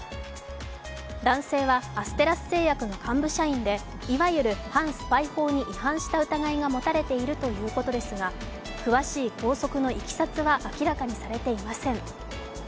男性はアステラス製薬の幹部社員でいわゆる反スパイ法に違反した疑いが持たれているということですが、詳しい拘束のいきさつは明らかにされていません。